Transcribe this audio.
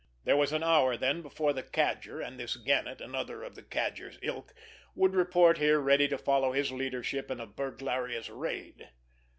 There was an hour, then, before the Cadger and this Gannet, another of the Cadger's ilk, would report here ready to follow his leadership in a burglarious raid.